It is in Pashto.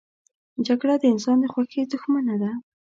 جګړه د انسان د خوښۍ دښمنه ده